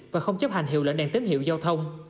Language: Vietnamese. và không chấp hành hiệu lệnh đèn tín hiệu giao thông